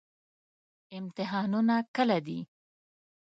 امتحانونه کله دي؟